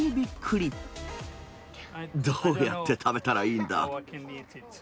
どうやって食べたらいいんだ。